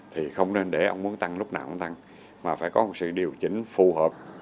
thì không nên để ông muốn tăng lúc nào cũng tăng mà phải có một sự điều chỉnh phù hợp